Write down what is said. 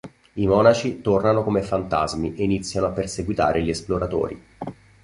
I monaci tornano come fantasmi, e iniziano a perseguitare gli esploratori.